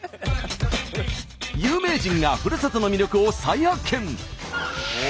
有名人がふるさとの魅力を再発見！